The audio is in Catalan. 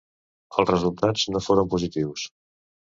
Els resultats no foren positius.